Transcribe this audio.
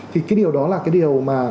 thì cái điều đó là cái điều mà